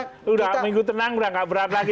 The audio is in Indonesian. kita udah minggu tenang udah gak berat lagi